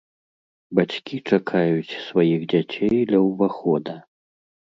Бацькі чакаюць сваіх дзяцей ля ўвахода.